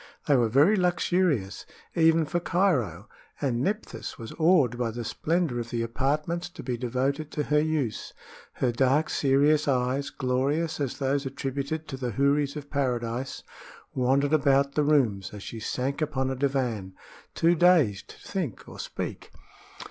They were very luxurious, even for Cairo, and Nephthys was awed by the splendor of the apartments to be devoted to her use. Her dark, serious eyes, glorious as those attributed to the houris of Paradise, wandered about the rooms as she sank upon a divan, too dazed to think or speak.